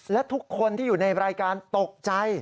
และทุกคนที่อยู่ในรายการตกใจ